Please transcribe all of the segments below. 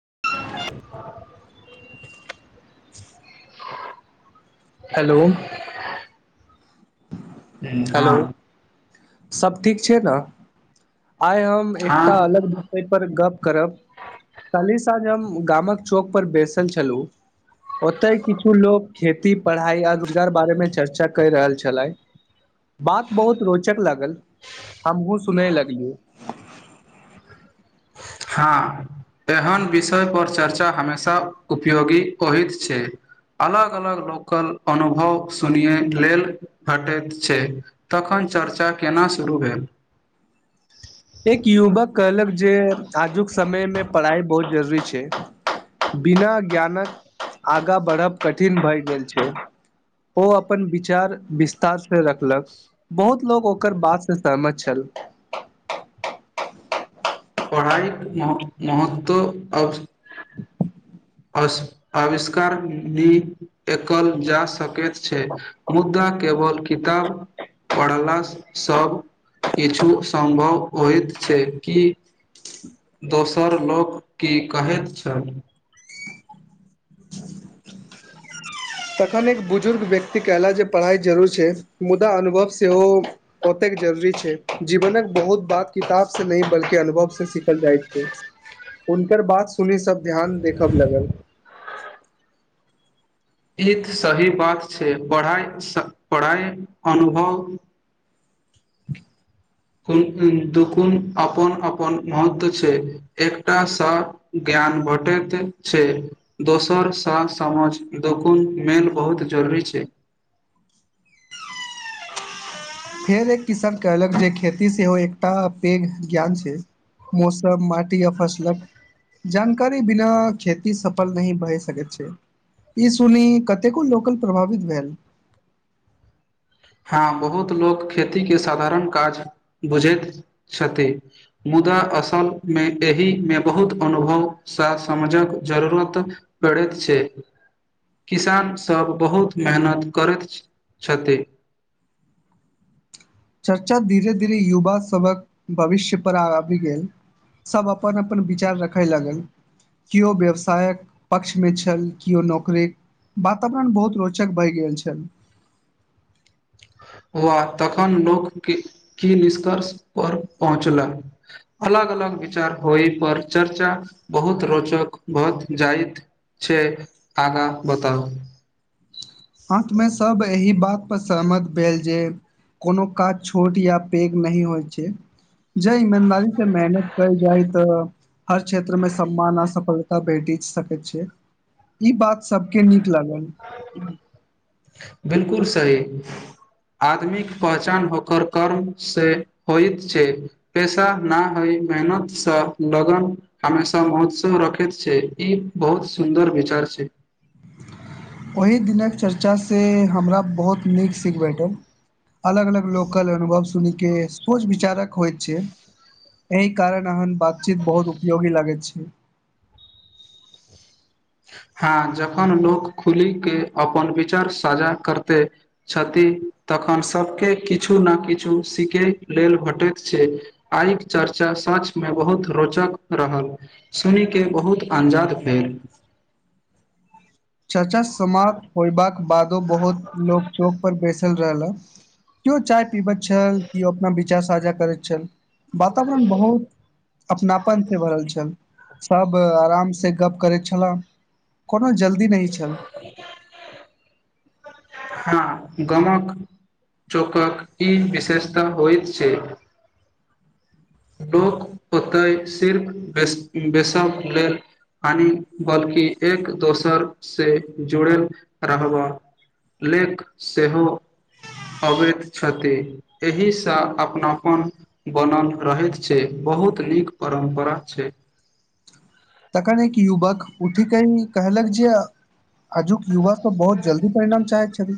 [inaudible] Hello हँ सभ ठीक छै न आइ हम एकटा हँ अलग विषय पर गप करब खाली साझ हम गामक चौक पर बैसल छलु ओतय किछु लोग खेती पढ़ाई आ रोजगार बारे में चर्चा कए रहल छले बात बहुत रो चक लागल हमहुँ सुनै लगलिय हँ एहन विषयपर चर्चा हमेशा उपयोगी होइत छै अलग अलग लोकल अनुभव सुनैय लेल भेटैत छै तखन चर्चा केना शुरू भेल एक युवक कहलक जे आजुक समय में पढ़ाई बहुत जरूरी बिना ज्ञानक आगा बढ़ब कठिन भए गेल छैय ओ अपन विचार विस्तार से रखलक बहुत लोग ओकर बात से सहम छल पढ़ाइके म महत्व अब अस आविष्कार नहि एकल जा सकैत छैय मुद्दा केवल किताब पढ़ला स सभ किछु सम्भव होइत छैय कि दोसर लोक की कहैत छल। तखन एक बुजुर्ग व्यक्ति कहला जे पढ़ाई जरूर छैय मुदा अनुभव सेहो ओतेक जरूरी छैय जीवनक बहुत बात किताब से नहि बल्कि अनुभव से सीखल जाइत छैय हुनकर बात सुनी सब ध्यान देखब लगल। ई त सही बात छैय पढ़ाइ पढ़ाइ अनुभव दुगुन अपन अपन महत्व छैय एकटा सा ज्ञान भेटैत छैय दोसर सा समझ दुगुन मेल बहुत जरूरी छैय। फेर एक किसान कहलक जे खेती सेहो एकटा पैघ ज्ञान छैय मौसम माटी या फसलक जानकारी बिना खेती सफल नही भय सकैत छैय ई सुनी कतेको लोकल प्रभावित भेल। हँ बहुत लोक खेती के साधारण काज बुझैत छथि मुदा असल मे एहि मे बहुत अनुभवसँ समझक जरूरत पड़ैत छैय किसान सब बहुत मेहनत करैत छथि। चर्चा धीरे धीरे युवा सभक भविष्य पर आबि गेल सभ अपन अपन विचार रखय लगल केओ व्यवसायक पक्षमे छल केओ नौकरी वातावरण बहुत रोचक भइ गेल छल। हआ तखन लोक की निष्कर्ष पर पहुँचला अलग अलग विचार होय पर चर्चा बहुत रोचक भ जाइत छैय आगाँ बताउ अंतमे सब एही बात पर सहमत भेल जे कोनो काज छोट या पैघ नह होइ छैय जहि में ईमानदारी से मेहनत कल जाय तऽ हर क्षेत्र मे सम्मान आ सफलता भेट सकैत छैय ई बात सबके नीक लागल बिलकुल सही आदमीक पहचान होकर कर्म से होइत छैय पैेशा न होइ मेहनतसँ लगन हमेशा महोत्सव रखैत छैय ई बहुत सुन्दर विचार छैय। ओहि दिनक चर्चाँ से हमरा बहुत नीक सीख भेटल अलग अलग लोकल अनुभव सुन कऽ सोच विचारक होइत छैय एहि कारण एहन बातचीत बहुत उपयोगी लागैत छैय। हँ जखन लोक खुली के अपन विचार साझा करते छथि तख कन सभकेँ किछु ने किछु सीखै लेल भेटैत छैय आइके चर्चा सचमे बहुत रोचक रहल सुनिके बहुत अनजाद भेल। चर्चा समाप्त होयबाक बादो बहुत लोक चौक पर बैसल रहल केओ चाय पीबैत छल केओ अपना विचार साझा करैत छल वातावरण बहुत अपनापन से भरल छल सब आराम से गप करैत छलाह कोनो जल्दी नहि छल हँ गमक चौकक ई विशेषता होइत छैय। लोक ओतहि सिर्फ बेस बेसक लेल हानि बल्कि एक दोसरसँ जुड़ल रहबह लेक सेहो अबैत छथि एहिसँ अपनापन बनल रहैत छैय बहुत नीक परम्परा छैय। अखन एक युवक उठ के कहलक जे आजुक युवा सब बहुत जल्दी परिणाम चाहैत छथि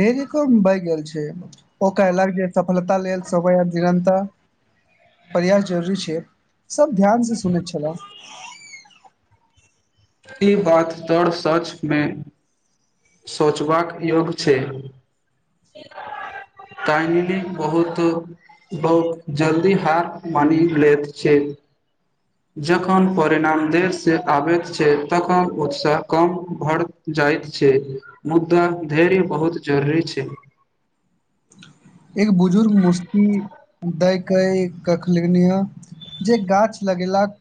धैर्य कम बए गेल छैय ओ कहलक जे सफलता लेल सबय निरंतर प्रयास जरुरी छैय। सब ध्यान से सुनैत छलहुँ। ई बात तर सच में सोचबाक योग छैय तइ बहुत बहु जल्दी हार मानि लैत छैय। जखन परिणाम देरसँ आबैत छैय तखन उत्साह कम भढ़ जाइत छैय मुद्दा धैर्य बहुत जरूरी छैय। एक बुजुर्ग मुस्ती दै क कखल जे गाछ लगेलाक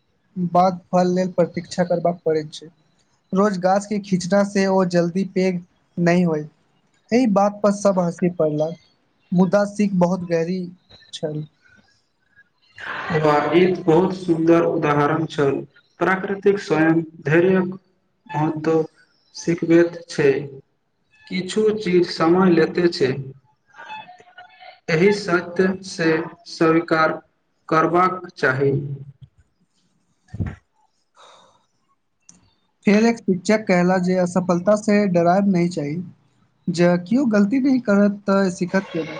बाद फल लेल प्रतीक्षा करबाका पड़ैत छैय रोज गाछ के खिचना से ओ जल्दी पैघ नहि होइ एहि बात प सब हाँसी पड़ला। मुदा सिख बहुत गहरी छल। ई बहुत सुन्दर उदाहरण छल प्राकृतिक स्वयं धैर्यक महत्व सिखब छैय किछु चीज समय लेते छैय एहि सत्य से सरिकार करबाक चाही फेर एक शिक्षक कहला जे असफलता से डरायब नहि चाही जे केओ गलती नहि करत त ऽ सिखत केना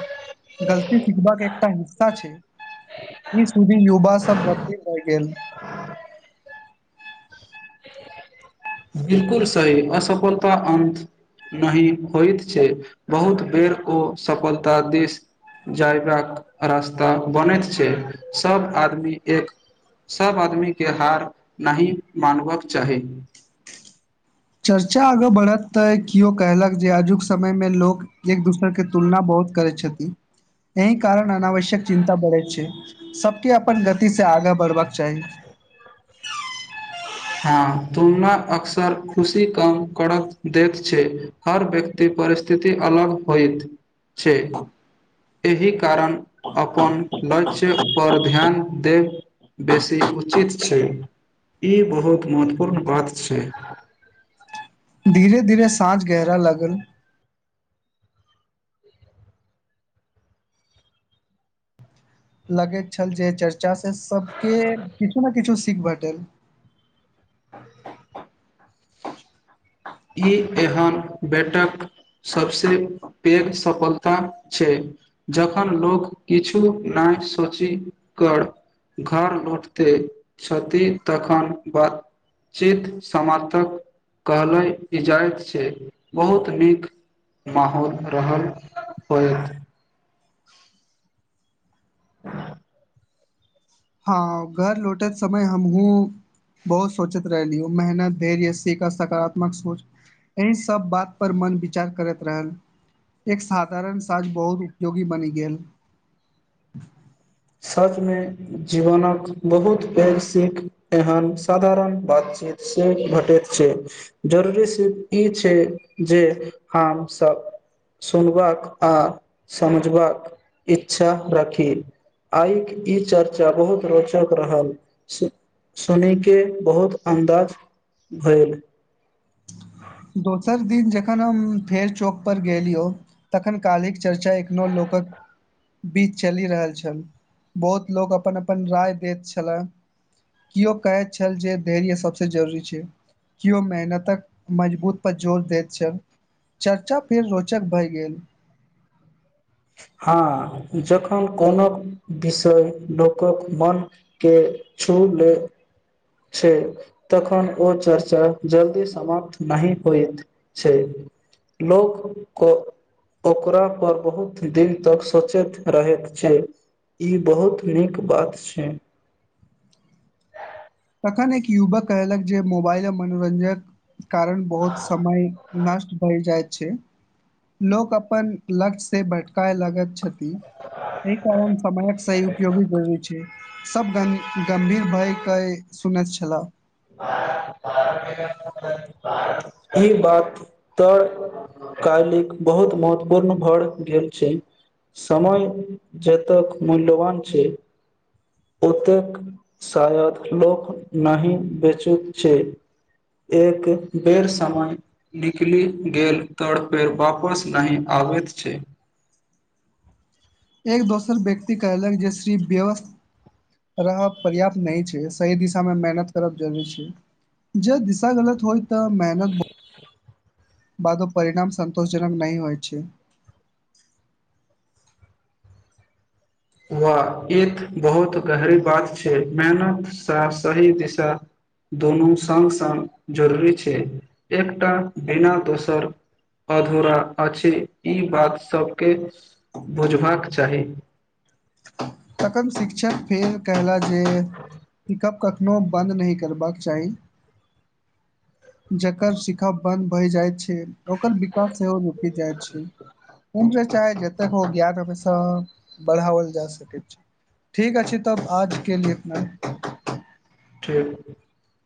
गलती सिखबाक एकटा हिस्सा छैय ई सुधी युवा सब गभीर रहि गेल। बिलकुल सही असफलता अन्त नहि होइत छैय बहुत बेर ओ सफलता दिस जयबाक रास्ता बनैत छैय सब आदमी एक सब आदमी के हार न मानवक चाही चर्चा आगाँ बढ़त तऽ केओ कहलक जे आजुक समयमे लोक एक दोसर के तुलना बहुत करैत छथिन एहि कारण अनावश्यक चिन्ता बढ़ैत छैय सबके अपन गतिसँ आगाँ बढ़बाक चाही। हँ तुलना अक्सर खुशी कम करय दैत छैय हर व्यक्ति परिस्थिति अलग होइत छैय। एहि कारण अपन लक्ष्यपर ध्यान देब बेसी उचित छैय ई बहुत महत्वपूर्ण बात छैय। धीरे धीरे साँझ गहरा लागल लगैत छल जे चर्चा से सबके किछु ने किछु सीख भेटल ई एहन बेटक सबस पैघ सफलता छै जखन लोक किछु नहि सोचि कर घर लौटते छथि तखन बातचित समर्थक कहलै इजायत छै बहुत नीक माहौल रहल होय ह हँ घर लौटैत समय हमहुूँ बहुत सोचैत रहलिय मेहनत धैर्य सीख आ सकारात्मक सोच एहि सब बात पर मन विचार करैत रहल एक साधारण साज बहुत उपयोगी बनि गेल सचमे जीवनक बहुत पैघ सीख एहन साधारण बातचीत से भेटैत छै जरूरी स ई छै जे हमसभ सुनबाक आ समझबाक इच्छा रखी आइके ई चर्चा बहुत रोचक रहल सु सुने बहुत अन्दाज भेल दोसर दिन जखन हम फेर चौक पर गेलियौ तखन काल्हि चर्चा एखनो लोकक बीच चलि रहल छल बहुत लोक अपन अपन राय दैत छलह केओ कहैत छल जे धैर्य सभस जरूरी छै केओ मेहनतक मजबूत पर जोर देैत छल चर्चा फेर रोचक भए गेल हँ जखन कोनो विषय लोकक मोनके छू ले छै तखन ओ चर्चा जल्दी समाप्त नहि होइत छै लोक ओकरा पर बहुत दिन तक सोचैत रहैत छै ई बहुत नीक बात छै तखन एक युवक कहलक जे मोबाइल मनोरञ्जक कारण बहुत समय नष्ट भए जाय छै लोक अपन लक्ष्य से भटकए लगैत छथिन एहि कारण समयक सही उपयोगी जरुरी छै सब गम गम्भीर भयके सुनैत छला ई बात तऽ कालिक बहुत महत्वपूर्ण भए गेल छै समय जतक मूल्यवान छै ओतेक शायद लोक नहि बेचैत छै एक बेर समय निकलि गेल तर पेर वापस नहि आबैत छै एक दोसर व्यक्ति कहलक जे श्री व्यव रहब पर्याप्त नहि छै सही दिशा मे मेहनत करब जरूरी छै जे दिशा गलत होय तऽ मेहनत बहु बादो परिणाम संतोषजनक नहि होइ छै वा ई त बहुत गहरी बात छै मेहनतसँ सही दिशा दुनू संग संग जरूरी छै एकटा बिना दोसर अधूरा अछि ई बात सभके बुझबाक चाही तखन शिक्षक फेल कयलन जे पिकअप कखनो बन्द नहि करबाक चाही जकर शिखा बंद भय जाय छै ओकर विकास सेहो रुकि जाय छै उम्र चाहे जतक ओ ज्ञान हमेशा बढ़ाओल जा सकैय ठीके अछि तब आज क लिए इतना ही [inaudible]